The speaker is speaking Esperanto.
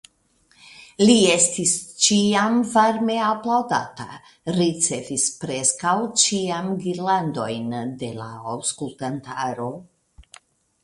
Li estis ĉiam varme aplaŭdata, ricevis preskaŭ ĉiam girlandojn de la aŭskultantaro.